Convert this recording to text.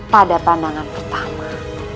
pada pandangan pertama